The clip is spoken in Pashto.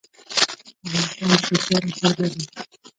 افغانستان د کوچیانو کوربه دی..